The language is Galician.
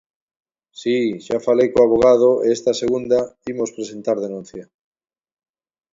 Si, xa falei co avogado e esta segunda imos presentar denuncia.